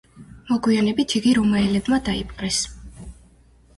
მოგვიანებით იგი რომაელებმა დაიპყრეს.